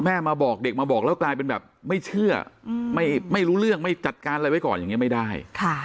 มาบอกเด็กมาบอกแล้วกลายเป็นแบบไม่เชื่อไม่รู้เรื่องไม่จัดการอะไรไว้ก่อนอย่างนี้ไม่ได้